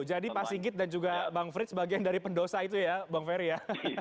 jadi mas sigit dan juga bang frits bagian dari pendosa itu ya bang ferry ya